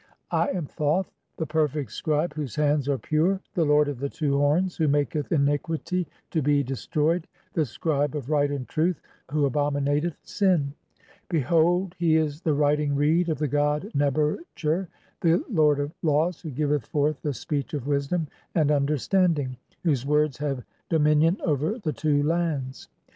341 "I am Thoth, the perfect scribe, (3) whose hands are pure, "the lord of the two horns, who maketh iniquity [to be de stroyed], the scribe of right and truth, who abominateth sin. "Behold, he is the writing reed of the god Neb er tcher, the "lord of laws, (4) who giveth forth the speech of wisdom and "understanding, whose words have dominion over the two lands.